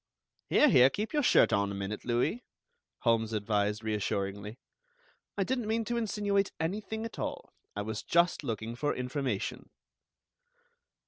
"Here, here, keep your shirt on a minute, Louis," Holmes advised reassuringly. "I didn't mean to insinuate anything at all. I was just looking for information."